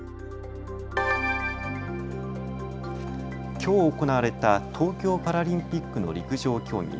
きょう行われた東京パラリンピックの陸上競技。